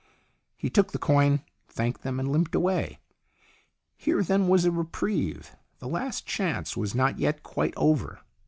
He took the coin, thanked them, and limped away. Here, then, was a reprieve. The last chance was not yet quite over.